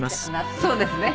そうですね。